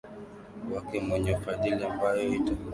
wake mwenye fadhila ambaye atamtunuku haki yake Naye mnyenyekevu